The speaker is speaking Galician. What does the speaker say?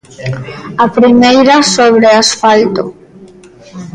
A primeira sobre asfalto.